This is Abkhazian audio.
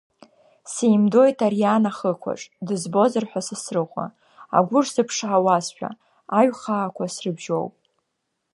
Сеимдоит Ариан ахықәаҿ, дызбозар ҳәа Сасрыҟәа, агәыр сыԥшаауашәа, аҩхаақәа срыбжьоуп.